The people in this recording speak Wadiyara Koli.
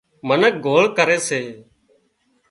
منک گوۯ ڪري سي